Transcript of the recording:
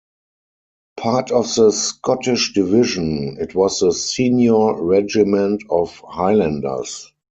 Part of the Scottish Division, it was the senior regiment of Highlanders.